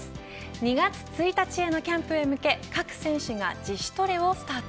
２月１日へのキャンプへ向け各選手が自主トレをスタート。